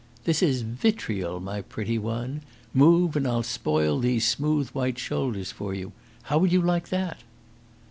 "This is vitriol, my pretty one. Move, and I'll spoil these smooth white shoulders for you. How would you like that?"